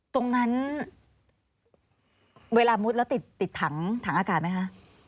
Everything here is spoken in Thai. ตรงนั้นเวลามุดแล้วติดถังอากาศไหมคะ